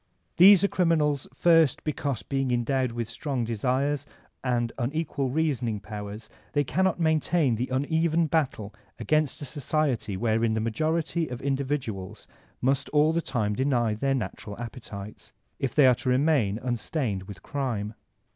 These are criminals, first, because being endowed with strong desires and unequal reasoning powers they cannot maintain the uneven battle against a society wherein the majority of individuals must all the time deny their natural appetites, if they are to remain unstained with crime.